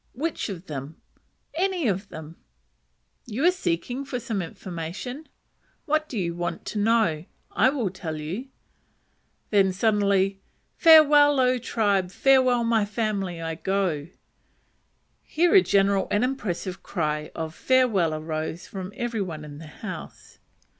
"Which of them?" "Any of them." "You are seeking for some information, what do you want to know? I will tell you." Then suddenly "Farewell, O tribe! farewell, my family, I go!" Here a general and impressive cry of "farewell" arose from every one in the house.